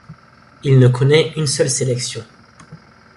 Il ne connaît une seule sélection.